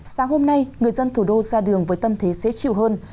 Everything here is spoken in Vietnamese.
sáng hôm nay người dân thủ đô ra đường với tâm thế dễ chịu hơn